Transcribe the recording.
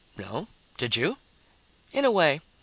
"No. Did you?" "In a way.